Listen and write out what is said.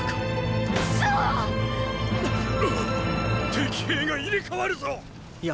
敵兵が入れ代わるぞっ！